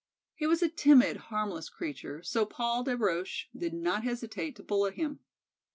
He was a timid, harmless creature, so Paul des Roches did not hesitate to bully him.